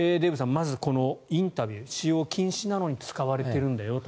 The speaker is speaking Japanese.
まずこのインタビュー使用禁止なのに使われているんだよと。